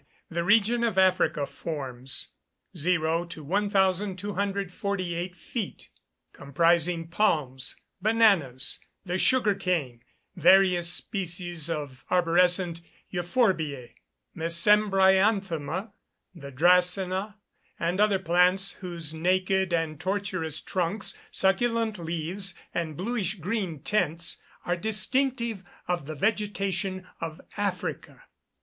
The region of Africa forms, 0 1,248 feet, comprising palms, bananas, the sugar cane, various species of arborescent Euphorbiæ, Mesembryanthema, the Dracæna, and other plants, whose naked and tortuous trunks, succulent leaves, and bluish green tints, are distinctive of the vegetation of Africa.